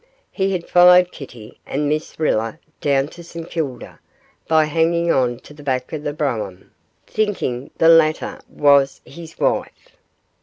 He had followed Kitty and Mrs Riller down to St Kilda by hanging on to the back of the brougham, thinking the latter was his wife.